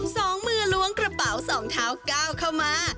สองมือล้วงกระเป๋าสองเท้าก้าวเข้ามา